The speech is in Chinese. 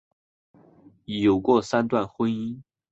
有过三段婚姻。